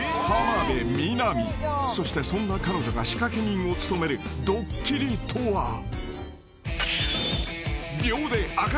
［そしてそんな彼女が仕掛け人を務めるドッキリとは］